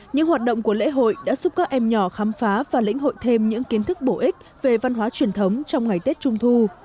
những hoạt động của lễ hội đã giúp các em nhỏ khám phá và lĩnh hội thêm những kiến thức bổ ích về văn hóa truyền thống trong ngày tết trung thu